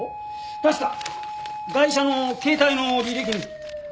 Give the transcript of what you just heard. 確かガイシャの携帯の履歴に。